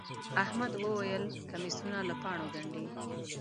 احمد وويل: کمیسونه له پاڼو گنډي.